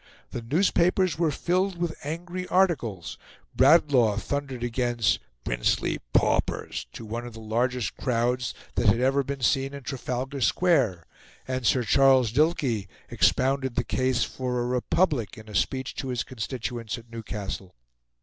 The newspapers were filled with angry articles; Bradlaugh thundered against "princely paupers" to one of the largest crowds that had ever been seen in Trafalgar Square; and Sir Charles Dilke expounded the case for a republic in a speech to his constituents at Newcastle.